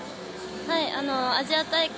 アジア大会